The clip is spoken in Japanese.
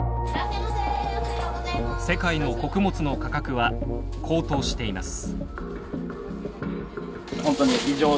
世界の穀物の価格は高騰しています。